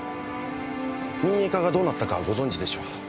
民営化がどうなったかご存じでしょう。